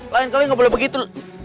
lain kali gak boleh begitu